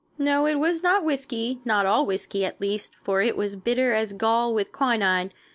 No, it was not whiskey, not all whiskey, at least, for it was bitter as gall with quinine.